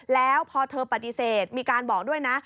แล้วพอเธอปฏิเสธมีการบอกด้วยนะ